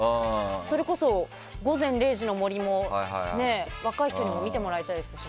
それこそ、「午前０時の森」も若い人にも見てもらいたいですし。